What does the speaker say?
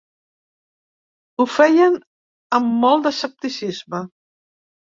Ho feien amb molt d’escepticisme.